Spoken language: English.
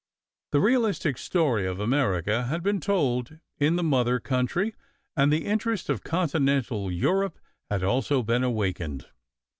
The realistic story of America had been told in the mother country, and the interest of Continental Europe had also been awakened.